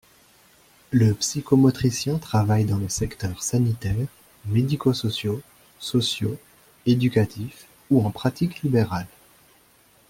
Le psychomotricien travaille dans les secteurs sanitaires, médico-sociaux, sociaux, éducatifs ou en pratique libérale.